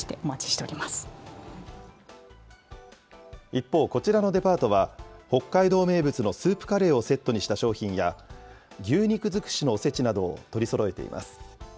一方、こちらのデパートは、北海道名物のスープカレーをセットにした商品や、牛肉尽くしのおせちなどを取りそろえています。